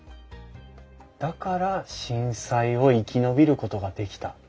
だから震災を生き延びることができた。